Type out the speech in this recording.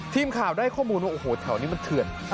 ทีมข่าวได้ข้อมูลว่าโอ้โหแถวนี้มันเถื่อน